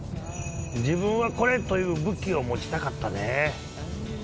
「自分はこれ」という武器を持ちたかったね。